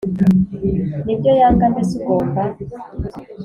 nibyo yanga mbese ugomba